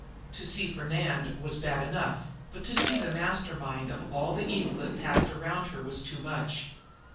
To see Fernand was bad enough, but to see the master mind of all the evil that passed around her was too much.